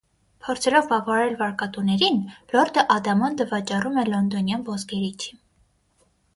Փորձելով բավարարել վարկատուներին՝ լորդը ադամանդը վաճառում է լոնդոնյան ոսկերիչի։